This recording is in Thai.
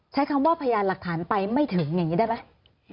ใช้คำว่าพยานหลักฐานไปไม่ถึงอย่างนี้ได้ไหม